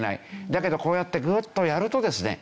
だけどこうやってグッとやるとですね